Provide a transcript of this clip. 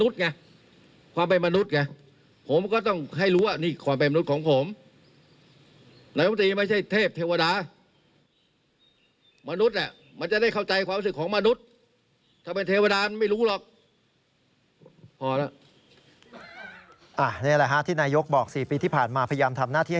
สี่ปีที่ผ่านมาพยายามทำหน้าที่